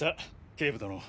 警部殿。